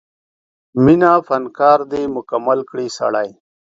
مینه فنکار دی مکمل کړي سړی